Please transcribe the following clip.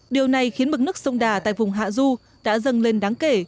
điều này khiến mực nước sông đà tại vùng hạ du đã dâng lên đáng kể